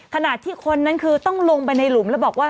ขณะที่คนนั้นคือต้องลงไปในหลุมแล้วบอกว่า